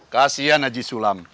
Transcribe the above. kasian haji sulam